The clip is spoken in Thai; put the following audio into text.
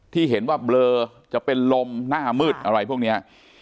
ที่เห็นว่าเบลอจะเป็นลมหน้ามืดอะไรพวกนี้